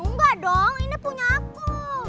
enggak dong ini punya aku